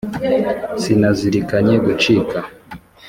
sinazirikanye gucika